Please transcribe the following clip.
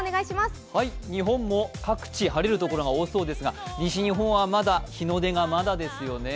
日本も各地晴れる所が多そうですが西日本はまだ日の出がまだですよね。